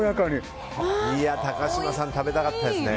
高嶋さん、食べたかったですね。